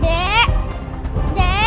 gua gak fair